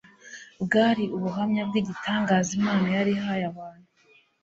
Bwari ubuhamya bw'igitangaza Imana yari ihaye abantu